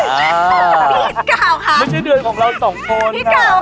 มันไม่ใช่เดือ่อนของเราสองคน